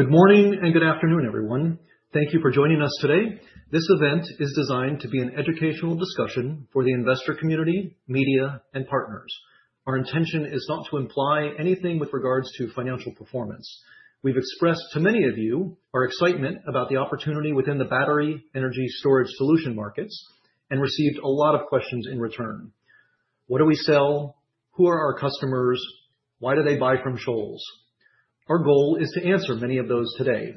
Good morning and good afternoon, everyone. Thank you for joining us today. This event is designed to be an educational discussion for the investor community, media, and partners. Our intention is not to imply anything with regards to financial performance. We've expressed to many of you our excitement about the opportunity within the Battery Energy Storage Solution markets and received a lot of questions in return. What do we sell? Who are our customers? Why do they buy from Shoals? Our goal is to answer many of those today.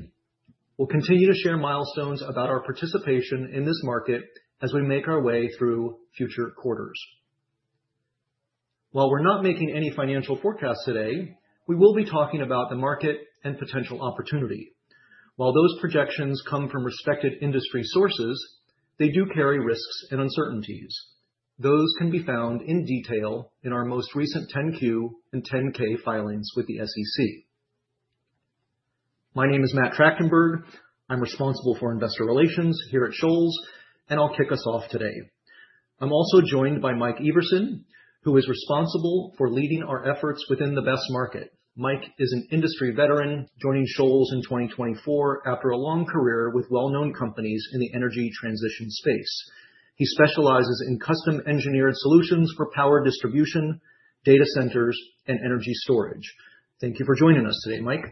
We'll continue to share milestones about our participation in this market as we make our way through future quarters. While we're not making any financial forecasts today, we will be talking about the market and potential opportunity. While those projections come from respected industry sources, they do carry risks and uncertainties. Those can be found in detail in our most recent 10-Q and 10-K filings with the SEC. My name is Matt Tractenberg. I'm responsible for investor relations here at Shoals, and I'll kick us off today. I'm also joined by Mike Everson, who is responsible for leading our efforts within the BESS market. Mike is an industry veteran joining Shoals in 2024 after a long career with well-known companies in the energy transition space. He specializes in custom-engineered solutions for power distribution, data centers, and energy storage. Thank you for joining us today, Mike.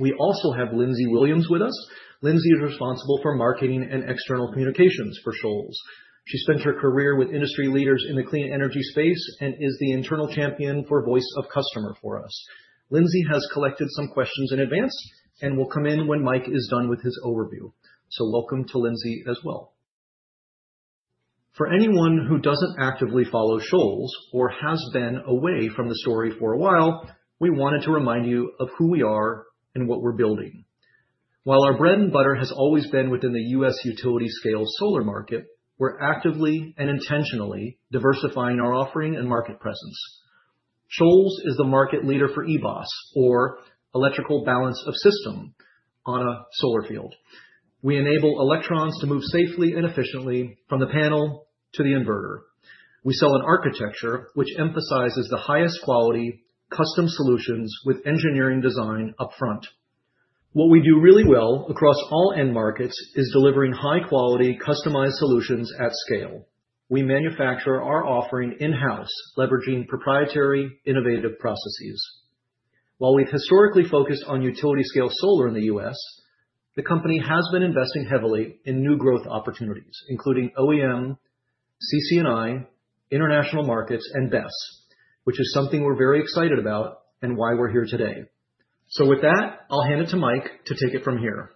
We also have Lindsey Williams with us. Lindsey is responsible for Marketing and External Communications for Shoals. She spent her career with industry leaders in the clean energy space and is the internal champion for Voice of Customer for us. Lindsey has collected some questions in advance and will come in when Mike is done with his overview. Welcome to Lindsey as well. For anyone who does not actively follow Shoals or has been away from the story for a while, we wanted to remind you of who we are and what we are building. While our bread and butter has always been within the U.S. utility-scale solar market, we are actively and intentionally diversifying our offering and market presence. Shoals is the market leader for EBOS, or Electrical Balance of System, on a solar field. We enable electrons to move safely and efficiently from the panel to the inverter. We sell an architecture which emphasizes the highest quality custom solutions with engineering design upfront. What we do really well across all end markets is delivering high-quality customized solutions at scale. We manufacture our offering in-house, leveraging proprietary innovative processes. While we've historically focused on utility-scale solar in the U.S., the company has been investing heavily in new growth opportunities, including OEM, CCNI, international markets, and BESS, which is something we're very excited about and why we're here today. With that, I'll hand it to Mike to take it from here.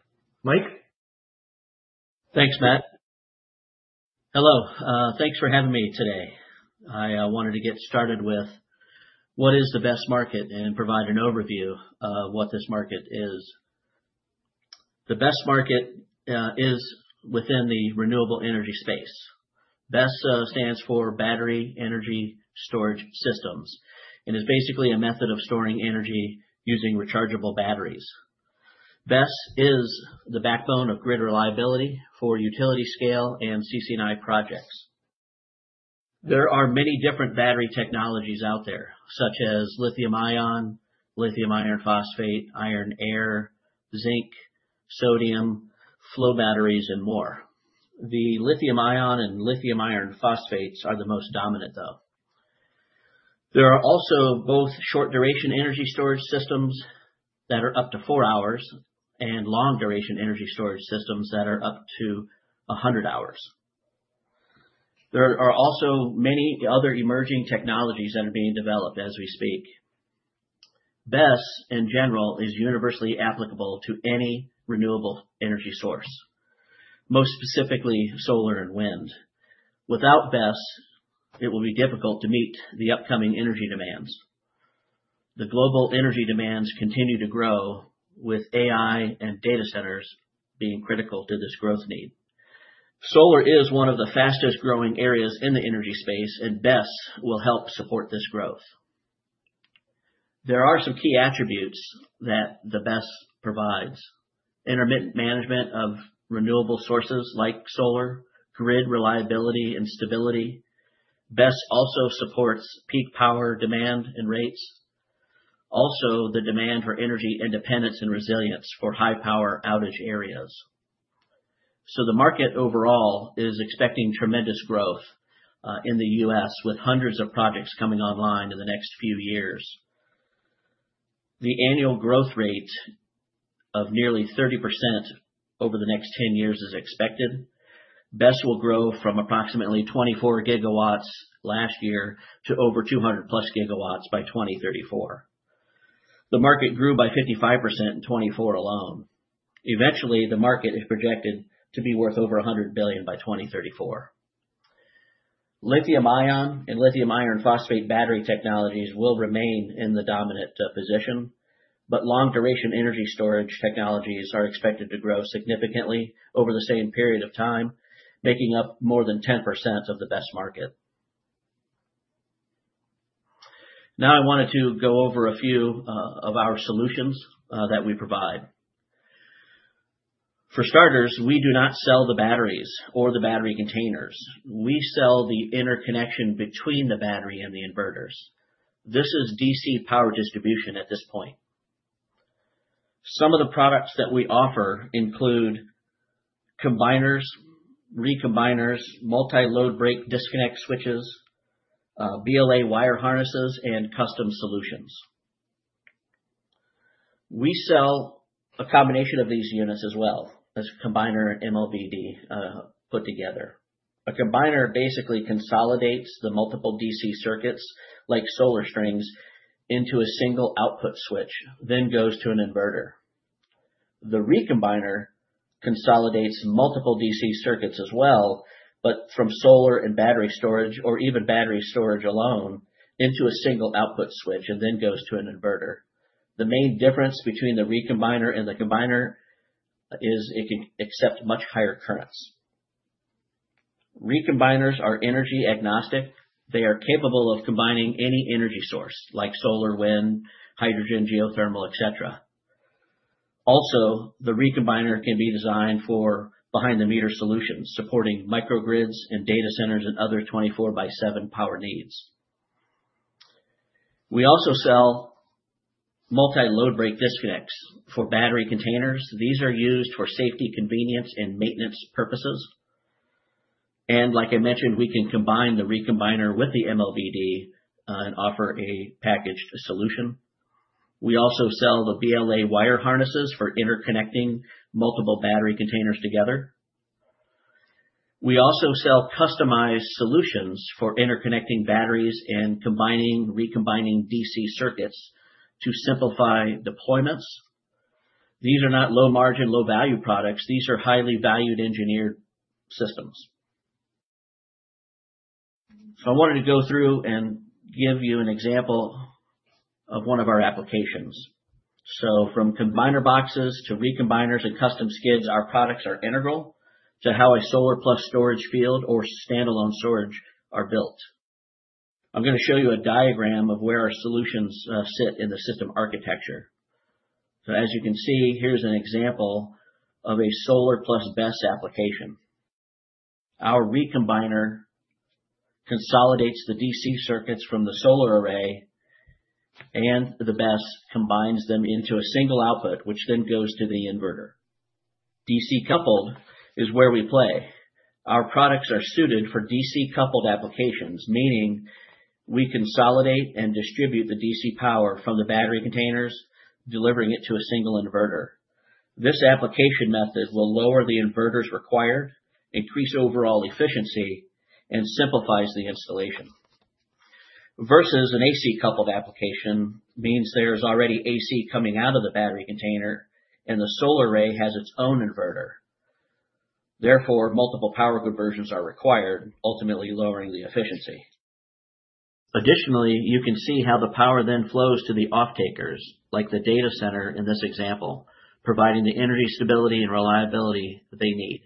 Mike. Thanks, Matt. Hello. Thanks for having me today. I wanted to get started with what is the BESS market and provide an overview of what this market is. The BESS market is within the renewable energy space. BESS stands for Battery Energy Storage Systems and is basically a method of storing energy using rechargeable batteries. BESS is the backbone of grid reliability for utility-scale and C&I projects. There are many different battery technologies out there, such as lithium-ion, lithium iron phosphate, iron-air, zinc, sodium, flow batteries, and more. The lithium-ion and lithium iron phosphate are the most dominant, though. There are also both short-duration energy storage systems that are up to four hours and long-duration energy storage systems that are up to 100 hours. There are also many other emerging technologies that are being developed as we speak. BESS, in general, is universally applicable to any renewable energy source, most specifically solar and wind. Without BESS, it will be difficult to meet the upcoming energy demands. The global energy demands continue to grow, with AI and data centers being critical to this growth need. Solar is one of the fastest-growing areas in the energy space, and BESS will help support this growth. There are some key attributes that the BESS provides: intermittent management of renewable sources like solar, grid reliability and stability. BESS also supports peak power demand and rates. Also, the demand for energy independence and resilience for high-power outage areas. The market overall is expecting tremendous growth in the U.S., with hundreds of projects coming online in the next few years. The annual growth rate of nearly 30% over the next 10 years is expected. BESS will grow from approximately 24 GW last year to over 200-plus GW by 2034. The market grew by 55% in 2024 alone. Eventually, the market is projected to be worth over $100 billion by 2034. Lithium-ion and lithium iron phosphate battery technologies will remain in the dominant position, but long-duration energy storage technologies are expected to grow significantly over the same period of time, making up more than 10% of the BESS market. Now, I wanted to go over a few of our solutions that we provide. For starters, we do not sell the batteries or the battery containers. We sell the interconnection between the battery and the inverters. This is DC power distribution at this point. Some of the products that we offer include combiners, recombiners, multi-load brake disconnect switches, BLA wire harnesses, and custom solutions. We sell a combination of these units as well, as combiners and MOBD put together. A combiner basically consolidates the multiple DC circuits, like solar strings, into a single output switch, then goes to an inverter. The recombiner consolidates multiple DC circuits as well, but from solar and battery storage, or even battery storage alone, into a single output switch and then goes to an inverter. The main difference between the recombiner and the combiner is it can accept much higher currents. Recombiners are energy agnostic. They are capable of combining any energy source, like solar, wind, hydrogen, geothermal, etc. Also, the recombiner can be designed for behind-the-meter solutions, supporting microgrids and data centers and other 24x7 power needs. We also sell multi-load brake disconnects for battery containers. These are used for safety, convenience, and maintenance purposes. Like I mentioned, we can combine the recombiner with the MOBD and offer a packaged solution. We also sell the BLA wire harnesses for interconnecting multiple battery containers together. We also sell customized solutions for interconnecting batteries and combining, recombining DC circuits to simplify deployments. These are not low-margin, low-value products. These are highly valued engineered systems. I wanted to go through and give you an example of one of our applications. From combiner boxes to recombiners and custom skids, our products are integral to how a solar-plus storage field or standalone storage are built. I'm going to show you a diagram of where our solutions sit in the system architecture. As you can see, here's an example of a solar-plus BESS application. Our recombiner consolidates the DC circuits from the solar array, and the BESS combines them into a single output, which then goes to the inverter. DC-coupled is where we play. Our products are suited for DC-coupled applications, meaning we consolidate and distribute the DC power from the battery containers, delivering it to a single inverter. This application method will lower the inverters required, increase overall efficiency, and simplifies the installation. Versus an AC-coupled application means there is already AC coming out of the battery container, and the solar array has its own inverter. Therefore, multiple power conversions are required, ultimately lowering the efficiency. Additionally, you can see how the power then flows to the off-takers, like the data center in this example, providing the energy stability and reliability they need.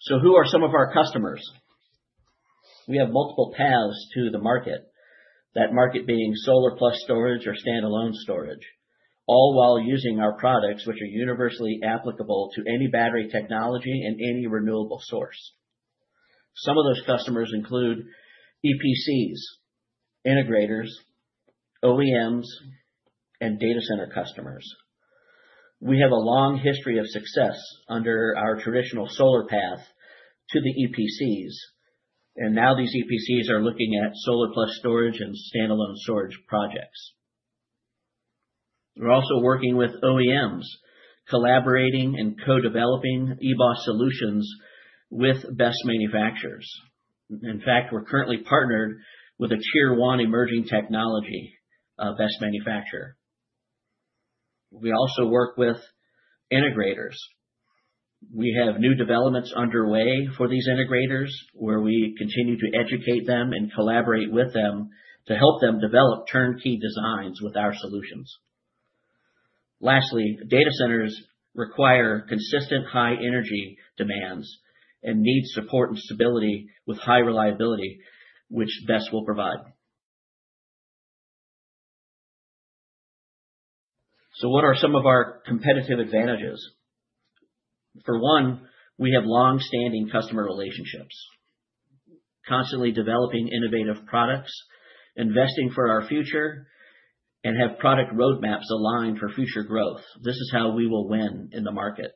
So who are some of our customers? We have multiple paths to the market, that market being solar-plus storage or standalone storage, all while using our products, which are universally applicable to any battery technology and any renewable source. Some of those customers include EPCs, integrators, OEMs, and data center customers. We have a long history of success under our traditional solar path to the EPCs, and now these EPCs are looking at solar-plus storage and standalone storage projects. We're also working with OEMs, collaborating and co-developing EBOS solutions with BESS manufacturers. In fact, we're currently partnered with a tier-one emerging technology BESS manufacturer. We also work with integrators. We have new developments underway for these integrators, where we continue to educate them and collaborate with them to help them develop turnkey designs with our solutions. Lastly, data centers require consistent high-energy demands and need support and stability with high reliability, which BESS will provide. What are some of our competitive advantages? For one, we have long-standing customer relationships, constantly developing innovative products, investing for our future, and have product roadmaps aligned for future growth. This is how we will win in the market.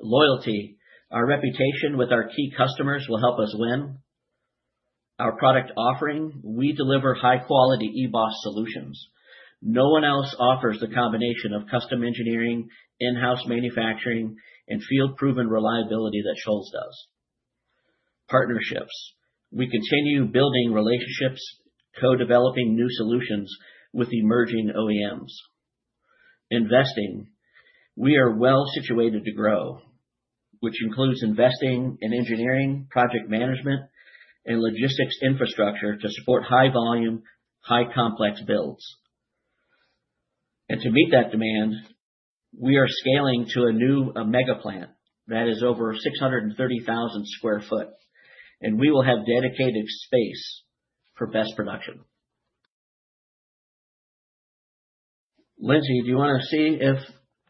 Loyalty, our reputation with our key customers will help us win. Our product offering, we deliver high-quality EBOS solutions. No one else offers the combination of custom engineering, in-house manufacturing, and field-proven reliability that Shoals does. Partnerships, we continue building relationships, co-developing new solutions with emerging OEMs. Investing, we are well situated to grow, which includes investing in engineering, project management, and logistics infrastructure to support high-volume, high-complex builds. To meet that demand, we are scaling to a new mega plant that is over 630,000 sq ft, and we will have dedicated space for BESS production. Lindsey, do you want to see if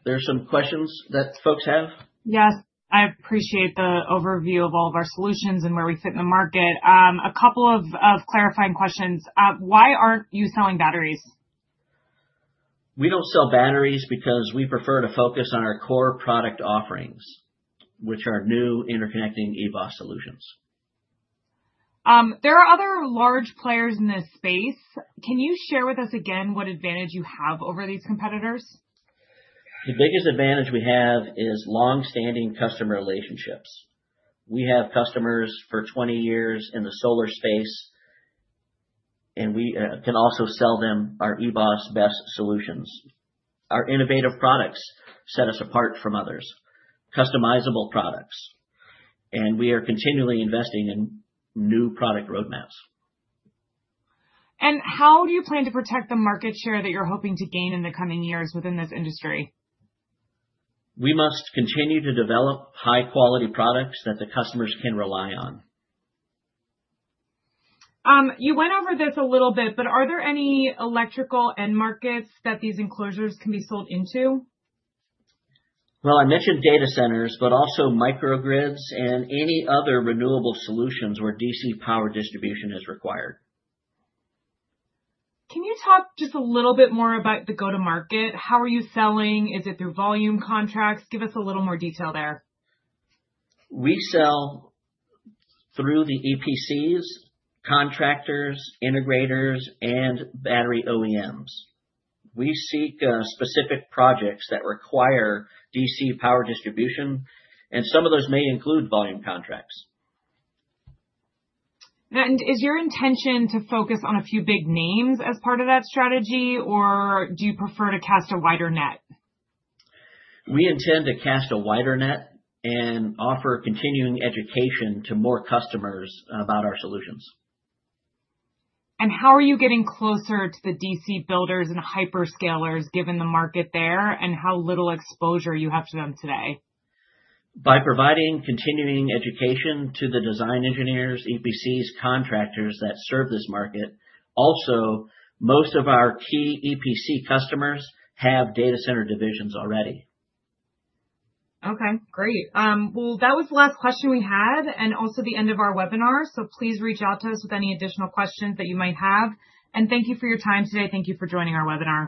there's some questions that folks have? Yes. I appreciate the overview of all of our solutions and where we fit in the market. A couple of clarifying questions. Why aren't you selling batteries? We don't sell batteries because we prefer to focus on our core product offerings, which are new interconnecting EBOS solutions. There are other large players in this space. Can you share with us again what advantage you have over these competitors? The biggest advantage we have is long-standing customer relationships. We have customers for 20 years in the solar space, and we can also sell them our EBOS BESS solutions. Our innovative products set us apart from others, customizable products, and we are continually investing in new product roadmaps. How do you plan to protect the market share that you're hoping to gain in the coming years within this industry? We must continue to develop high-quality products that the customers can rely on. You went over this a little bit, but are there any electrical end markets that these enclosures can be sold into? I mentioned data centers, but also microgrids and any other renewable solutions where DC power distribution is required. Can you talk just a little bit more about the go-to-market? How are you selling? Is it through volume contracts? Give us a little more detail there. We sell through the EPCs, contractors, integrators, and battery OEMs. We seek specific projects that require DC power distribution, and some of those may include volume contracts. Is your intention to focus on a few big names as part of that strategy, or do you prefer to cast a wider net? We intend to cast a wider net and offer continuing education to more customers about our solutions. How are you getting closer to the DC builders and hyperscalers given the market there and how little exposure you have to them today? By providing continuing education to the design engineers, EPCs, contractors that serve this market. Also, most of our key EPC customers have data center divisions already. Okay. Great. That was the last question we had and also the end of our webinar, so please reach out to us with any additional questions that you might have. Thank you for your time today. Thank you for joining our webinar.